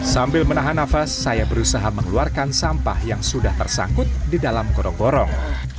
sambil menahan nafas saya berusaha mengeluarkan sampah yang sudah tersangkut di dalam gorong gorong